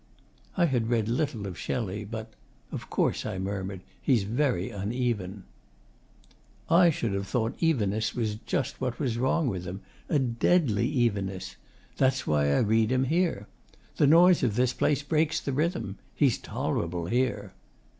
I had read little of Shelley, but 'Of course,' I murmured, 'he's very uneven.' 'I should have thought evenness was just what was wrong with him. A deadly evenness. That's why I read him here. The noise of this place breaks the rhythm. He's tolerable here.